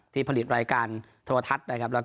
ผลิตรายการโทรทัศน์นะครับ